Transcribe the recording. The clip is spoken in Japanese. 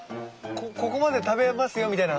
ここまで食べますよみたいな。